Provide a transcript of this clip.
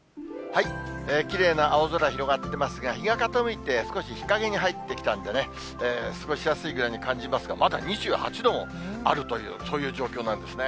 きれいな青空広がっていますが、日が傾いて、少し日陰に入ってきたんでね、過ごしやすいくらいに感じますが、まだ２８度もあるという、そういう状況なんですね。